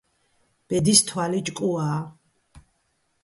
ბედის თვალი ჭკუაა